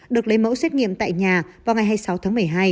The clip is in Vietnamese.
được lấy mẫu xét nghiệm tại nhà vào ngày hai mươi sáu tháng một mươi hai